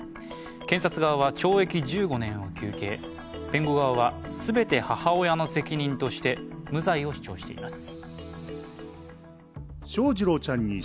検察側は懲役１５年を求刑、弁護側は全て母親の責任として無罪を主張しています。